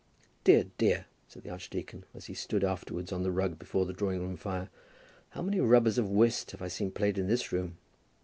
"Dear, dear," said the archdeacon, as he stood afterwards on the rug before the drawing room fire, "how many rubbers of whist I have seen played in this room."